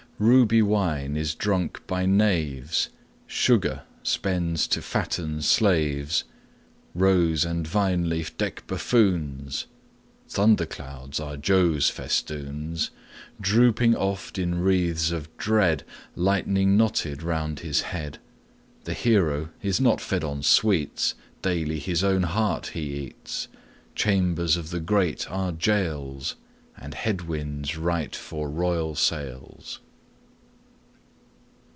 _ Ruby wine is drunk by knaves, Sugar spends to fatten slaves, Rose and vine leaf deck buffoons; Thunderclouds are Jove's festoons, Drooping oft in wreaths of dread Lightning knotted round his head; The hero is not fed on sweets, Daily his own heart he eats; Chambers of the great are jails, And head winds right for royal sails.